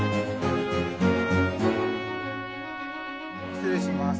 失礼します。